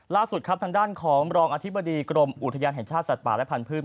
ล่าสุดครับทางด้านของรองอธิบดีกรมอุทยานแห่งชาติสัตว์ป่าและพันธุ์